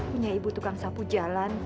punya ibu tukang sapu jalan